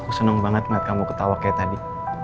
aku seneng banget liat kamu ketawa kayak tadi